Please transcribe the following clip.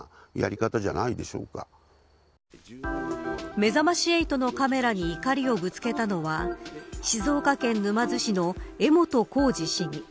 めざまし８のカメラに怒りをぶつけたのは静岡県沼津市の江本浩二市議。